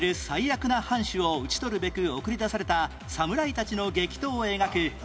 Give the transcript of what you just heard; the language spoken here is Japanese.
最悪な藩主を討ち取るべく送り出された侍たちの激闘を描く